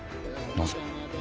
なぜ！？